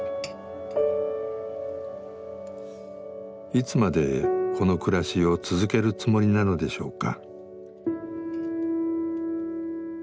いつまでこの暮らしを続けるつもりなのでしょうか？